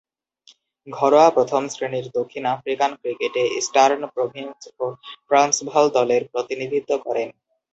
ঘরোয়া প্রথম-শ্রেণীর দক্ষিণ আফ্রিকান ক্রিকেটে ইস্টার্ন প্রভিন্স ও ট্রান্সভাল দলের প্রতিনিধিত্ব করেন।